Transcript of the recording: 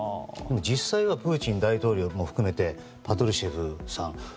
実際はプーチン大統領含めてパトルシェフさん